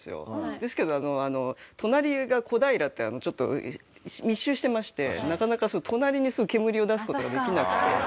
ですけど隣が小平ってちょっと密集してましてなかなか隣に煙を出す事ができなくて。